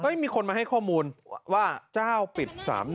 มีคนมาให้ข้อมูลว่าเจ้าปิด๓๑